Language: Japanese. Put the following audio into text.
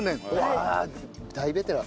わあ大ベテラン。